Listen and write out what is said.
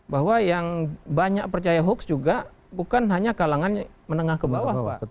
bahwa yang banyak percaya hoax juga bukan hanya kalangan menengah ke bawah